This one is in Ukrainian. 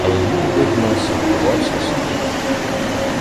Але він, видно, силкувався сам іти.